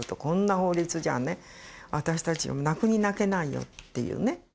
こんな法律じゃあね私たち泣くに泣けないよっていうね。